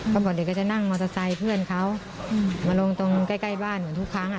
ก็บอกเดี๋ยวก็จะนั่งมอเตอร์ไซค์เพื่อนเขามาลงตรงใกล้บ้านเหมือนทุกครั้ง